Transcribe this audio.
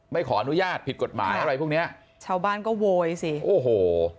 ไม่ขออนุญาตผิดกฎหมายอะไรพวกเนี้ยชาวบ้านก็โวยสิโอ้โห